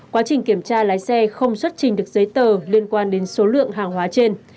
quá trình kiểm tra lái xe không xuất trình được giấy tờ liên quan đến số lượng hàng hóa trên